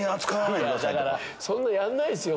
そんなやんないですよ